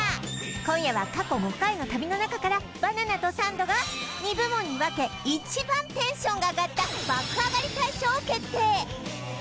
今夜は過去５回の旅の中からバナナとサンドが２部門に分け一番テンションが上がった爆上がり大賞を決定